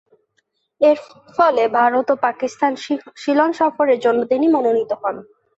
এরফলে ভারত, পাকিস্তান ও সিলন সফরের জন্য তিনি মনোনীত হন।